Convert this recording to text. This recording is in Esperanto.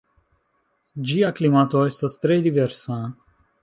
Ĝia klimato estas tre diversa.